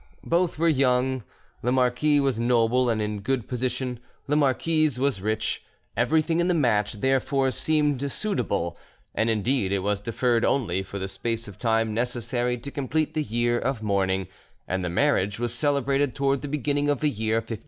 Both were young, the marquis was noble and in a good position, the marquise was rich; everything in the match, therefore, seemed suitable: and indeed it was deferred only for the space of time necessary to complete the year of mourning, and the marriage was celebrated towards the beginning of the year 1558.